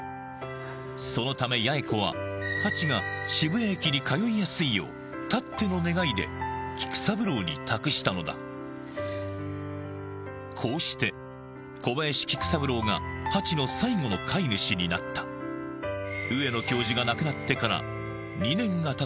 そのため八重子はハチが渋谷駅に通いやすいようたっての願いで菊三郎に託したのだこうして小林菊三郎がハチの最後の飼い主になっただった